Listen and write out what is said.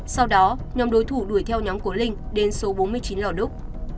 sau đó nhóm đối thủ đuổi theo nhóm của linh đến số bốn mươi chín lò đúc